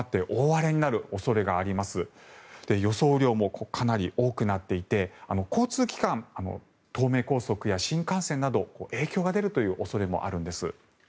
雨量もかなり多くなっていて交通機関、東名高速や新幹線など影響が出るという恐れもあるんです。